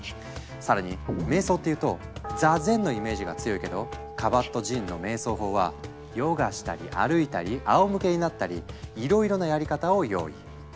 更に瞑想っていうと「座禅」のイメージが強いけどカバットジンの瞑想法はヨガしたり歩いたりあおむけになったりいろいろなやり方を用意。